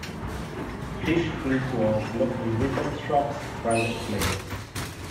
Fish flew to Oslo in Ribbentrop's private plane.